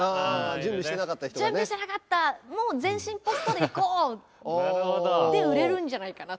準備してなかったもう全身ポストでいこう！で売れるんじゃないかなと。